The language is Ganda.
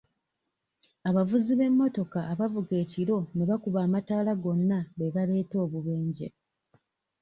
Abavuzi b'emmotoka abavuga ekiro ne bakuba amatala gonna beebaleeta obubenje.